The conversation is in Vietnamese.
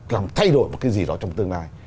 làm thay đổi một cái gì đó trong tương lai